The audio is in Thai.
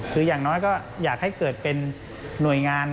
คืออย่างน้อยก็อยากให้เกิดเป็นหน่วยงาน